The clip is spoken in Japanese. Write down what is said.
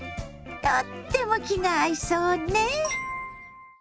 とっても気が合いそうね！